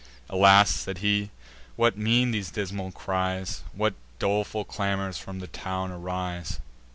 "Alas!" said he, "what mean these dismal cries? What doleful clamours from the town arise?"